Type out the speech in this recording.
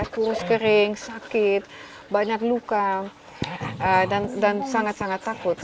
kurus kering sakit banyak luka dan sangat sangat takut